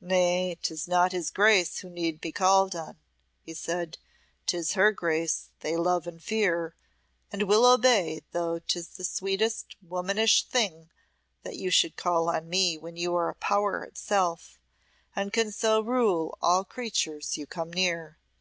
"Nay, 'tis not his Grace who need be called on," he said; "'tis her Grace they love and fear, and will obey; though 'tis the sweetest, womanish thing that you should call on me when you are power itself, and can so rule all creatures you come near."